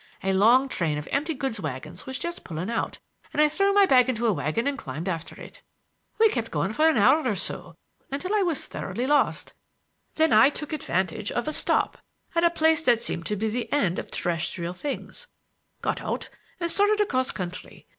A long train of empty goods wagons was just pulling out and I threw my bag into a wagon and climbed after it. We kept going for an hour or so until I was thoroughly lost, then I took advantage of a stop at a place that seemed to be the end of terrestrial things, got out and started across country.